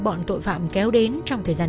bọn tội phạm kéo đến trong thời gian